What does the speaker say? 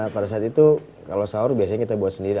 pada saat itu kalau sahur biasanya kita buat sendiri